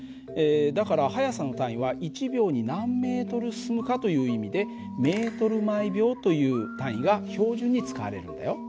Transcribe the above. だから速さの単位は１秒に何ｍ進むかという意味でｍ／ｓという単位が標準に使われるんだよ。